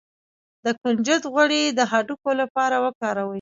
د کنجد غوړي د هډوکو لپاره وکاروئ